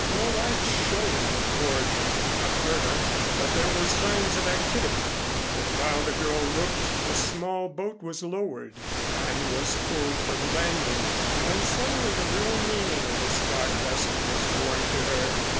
No lights showed aboard of her, but there were signs of activity, for while the girl looked a small boat was lowered and was pulled for the landing; and suddenly the real meaning of this dark vessel was borne to her.